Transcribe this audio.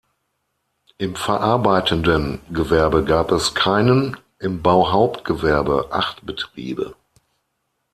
Im verarbeitenden Gewerbe gab es keinen, im Bauhauptgewerbe acht Betriebe.